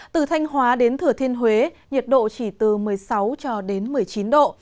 từ thanh hóa đến thừa thiên huế nhiệt độ chỉ từ một mươi sáu một mươi chín độ